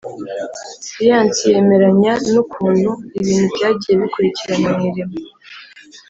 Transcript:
Siyansi yemeranya n ukuntu ibintu byagiye bikurikirana mu irema